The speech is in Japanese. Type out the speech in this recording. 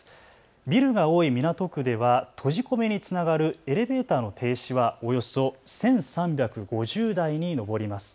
ビルが多い港区では閉じ込めにつながるエレベーターの停止はおよそ１３５０台に上ります。